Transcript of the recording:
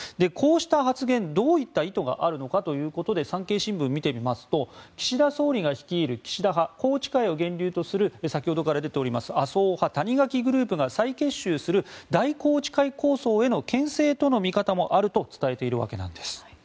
こうした発言どういった意図があるのかということで産経新聞を見てみると岸田総理が率いる岸田派宏池会を源流とする先ほどから出ています麻生派谷垣グループが再結集する大宏池会構想へのけん制との見方もあると伝えているわけです。